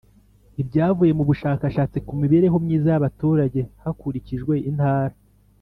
Ibyavuye mu bushakashatsi ku mibereho myiza y’abaturage hakurikijwe intara